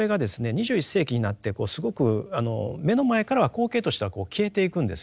２１世紀になってすごく目の前からは光景としては消えていくんですよね。